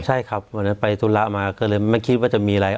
ใช่ครับวันนั้นไปธุระมาก็เลยไม่คิดว่าจะมีอะไร